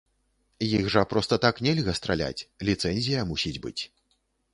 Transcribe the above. Іх жа проста так нельга страляць, ліцэнзія мусіць быць.